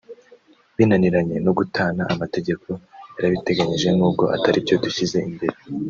binaniranye no gutana amategeko yarabiteganyije n’ubwo atari byo dushyize imbere